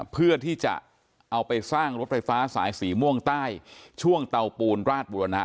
เพื่อที่จะเอาไปสร้างรถไฟฟ้าสายสีม่วงใต้ช่วงเตาปูนราชบุรณะ